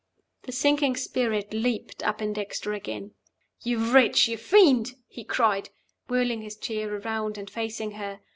The sinking spirit leaped up in Dexter again. "You wretch! you fiend!" he cried, whirling his chair around, and facing her.